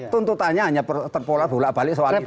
tuntutannya hanya terpulang pulang balik soal itu saja